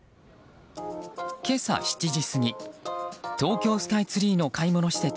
今朝７時過ぎ東京スカイツリーの買い物施設